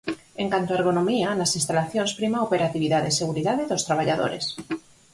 En canto á ergonomía, nas instalacións prima a operatividade e seguridade dos traballadores.